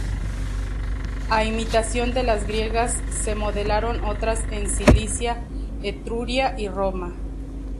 A imitación de las griegas, se modelaron otras en Sicilia, Etruria y Roma.